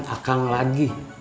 mak aku mau lagi